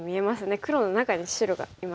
黒の中に白がいますもんね。